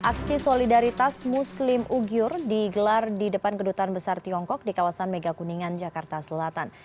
aksi solidaritas muslim ugyur digelar di depan kedutan besar tiongkok di kawasan megakuningan jakarta selatan